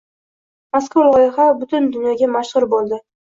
Mazkur loyiha butun dunyoga mashhur bo‘ldi.